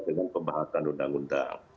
dengan pembahasan undang undang